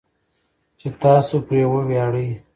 چې تاسو پرې وویاړئ.